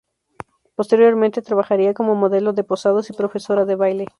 Posteriormente, trabajaría como modelo de posados y profesora de baile.